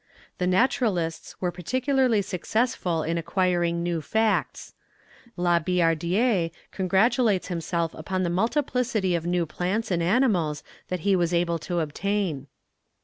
The naturalists were particularly successful in acquiring new facts. La Billardière congratulates himself upon the multiplicity of new plants and animals that he was able to obtain.